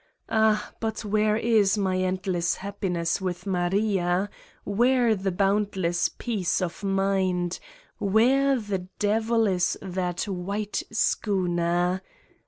. ah, but where is my endless happi ness with Maria, where the boundless peace of mind, where the devil is that white schooner?